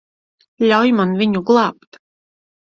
Ļauj man viņu glābt.